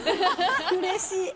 うれしい！